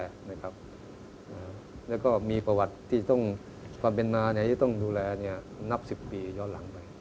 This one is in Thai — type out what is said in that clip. แล้วก็มีประวัติที่ต้องความเป็นมาจะต้องดูแลนับ๑๐ปีย้อนหลังไป